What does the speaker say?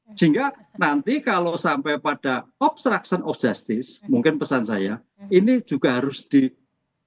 sehingga nanti kalau sampai pada obstruction of justice mungkin pesan saya ini juga harus diperhatikan